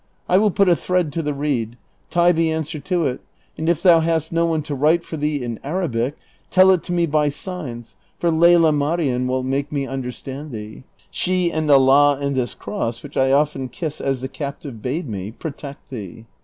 I will 2iut a thread to the reed ; tie the answer to it, and if thou hast no one to write for thee in Arabic, tell it to me by signs, for Lela Marien will make me un dei'stand thee. She and Allah and this cross, which I often kiss as the captive bade me, protect thee."